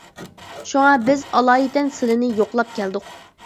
شۇڭا بىز ئالايىتەن سىلىنى يوقلاپ كەلدۇق.